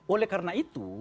oleh karena itu